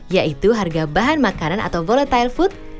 yaitu harga bahan makanan atau volatile food